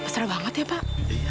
beserah banget ya pak